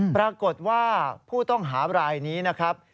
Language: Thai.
ปรากฏว่าผู้ต้องหาบรายนี้นะครับ